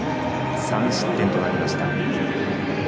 ３失点となりました。